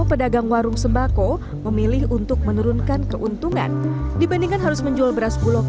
pedagang warung sembako memilih untuk menurunkan keuntungan dibandingkan harus menjual beras bulog